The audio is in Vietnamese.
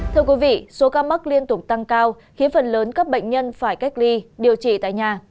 thưa quý vị số ca mắc liên tục tăng cao khiến phần lớn các bệnh nhân phải cách ly điều trị tại nhà